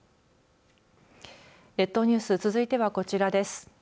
列島ニュース続いてはこちらです。